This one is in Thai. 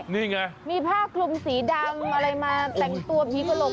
นี่ไงมีผ้าคลุมสีดำอะไรมาแต่งตัวผีกระโลก